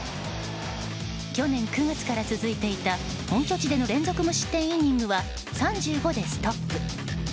去年９月から続いていた本拠地での連続無失点イニングは３５でストップ。